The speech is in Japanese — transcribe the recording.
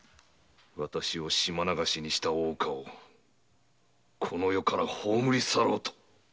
私を“島流し”にした大岡をこの世から葬り去ろうと！